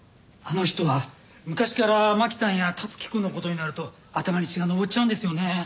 あの人は昔から槙さんや樹くんの事になると頭に血が上っちゃうんですよね。